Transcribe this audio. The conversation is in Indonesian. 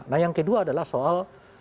nah yang kedua adalah soal